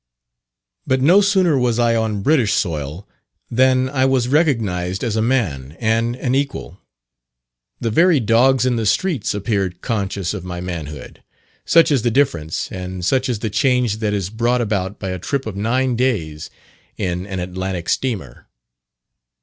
But no sooner was I on British soil, than I was recognised as a man, and an equal. The very dogs in the streets appeared conscious of my manhood. Such is the difference, and such is the change that is brought about by a trip of nine days in an Atlantic steamer.